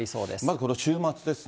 この週末ですね。